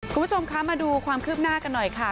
คุณผู้ชมคะมาดูความคืบหน้ากันหน่อยค่ะ